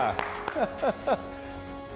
ハハハ！